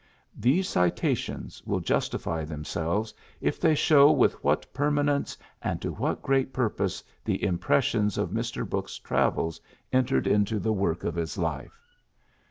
'' These citations will justify themselves, if they show with what permanence and to what good purpose the impressions of Mr. Brooks's travels entered into the PHILLIPS BROOKS 37 work of his life.